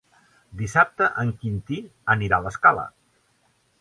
Dissabte en Quintí anirà a l'Escala.